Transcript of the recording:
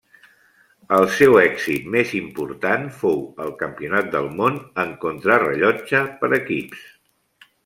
El seu èxit més important fou el Campionat del Món en contrarellotge per equips.